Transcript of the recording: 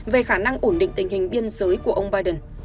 về khả năng ổn định tình hình biên giới của ông biden